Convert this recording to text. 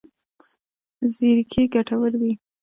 زیرکي ګټور دی.